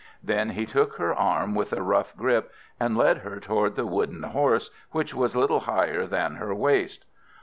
Then he took her arm with a rough grip and led her toward the wooden horse, which was little higher than her waist.